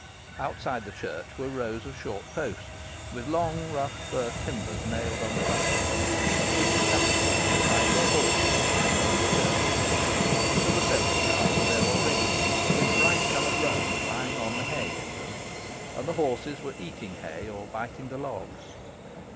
Outside the church were rows of short posts, with long rough fir timbers nailed on the top of them, to which the country people tied their horses when they came to church. There were several carts there already, with bright coloured rugs lying on the hay in them; and the horses were eating hay or biting the logs.